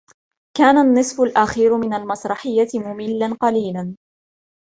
كان النصف الأخير من المسرحية مملاً قليلاً.